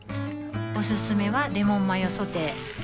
おすすめはレモンマヨソテー